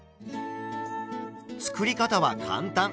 作り方は簡単！